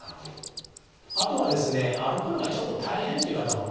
あとはですね歩くのがちょっと大変っていう方もね